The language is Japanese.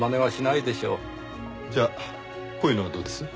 じゃあこういうのはどうです？